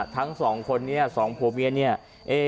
ทั้งสองคนสองโพเมียน